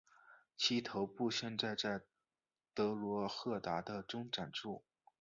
其头部现在在德罗赫达的中展出。